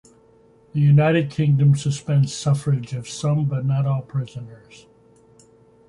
The United Kingdom suspends suffrage of some but not all prisoners.